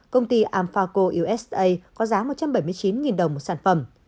công ty alphaco usa có giá một trăm bảy mươi chín đồng một sản phẩm